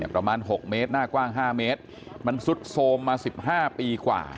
ประมาณ๖เมตรหน้ากว้าง๕เมตรมันซุดโทรมมา๑๕ปีกว่า